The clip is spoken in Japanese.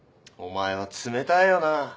お前は冷たいよな。